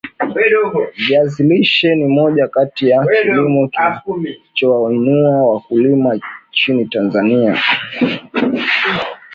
Viazi lishe ni moja kati ya kilimo kinachowainua wakulima nchini Tanzania